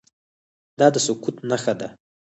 دا د سقوط نښه ده.